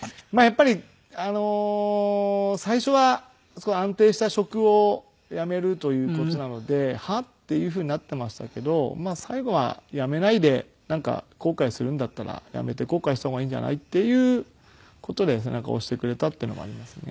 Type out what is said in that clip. やっぱり最初はすごい安定した職を辞めるという事なのではあ？っていうふうになっていましたけど最後は辞めないで後悔するんだったら辞めて後悔した方がいいんじゃない？っていう事で背中を押してくれたっていうのもありますね。